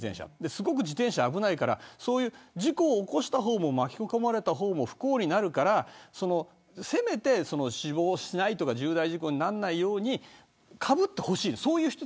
すごく危ないから起こした方も巻き込まれた方も不幸になるから、せめて死亡しないとか重大事故にならないようにかぶってほしい。